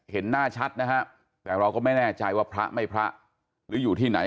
เห็นหน้าชัดนะฮะแต่เราก็ไม่แน่ใจว่าพระไม่พระหรืออยู่ที่ไหน